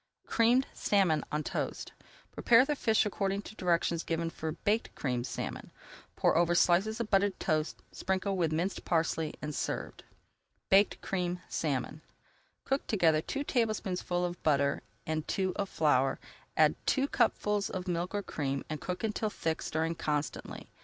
CREAMED SALMON ON TOAST Prepare the fish according to directions given for Baked Creamed Salmon. Pour over slices of buttered toast, sprinkle with minced parsley, and serve. BAKED CREAMED SALMON Cook together two tablespoonfuls of butter and two of flour, add two cupfuls of milk or cream, and cook until thick, stirring constantly.